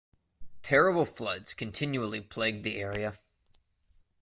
Terrible floods continually plagued the area.